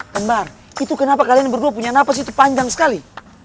kembar itu kenapa kalian berdua punya nafas itu panjang sekali